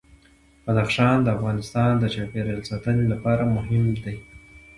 بدخشان د افغانستان د چاپیریال ساتنې لپاره مهم دي.